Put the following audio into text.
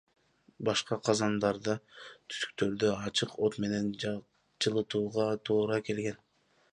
Башка казандарда түтүктөрдү ачык от менен жылытууга туура келген.